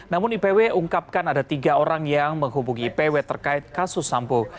namun ipw ungkapkan ada tiga orang yang menghubungi ipw terkait kasus sambo